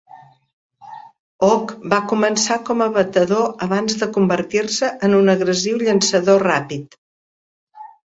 Hogg va començar com a batedor abans de convertir-se en un agressiu llançador ràpid.